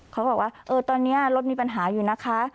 เขาบอกว่าตอนนี้รถมีปัญหาอยู่นะคะ